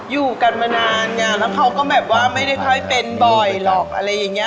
อยู่กันมานานไงแล้วเขาก็แบบว่าไม่ได้ค่อยเป็นบ่อยหรอกอะไรอย่างนี้